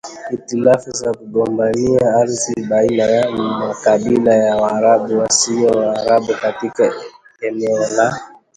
Hitilafu za kugombania ardhi baina ya makabila ya Waarabu na wasio Waarabu katika eneo la